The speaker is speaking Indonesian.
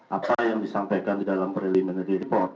apa yang disampaikan di dalam preliminary report